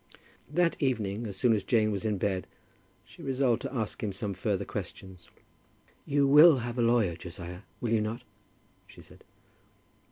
That evening, as soon as Jane was in bed, she resolved to ask him some further questions. "You will have a lawyer, Josiah, will you not?" she said.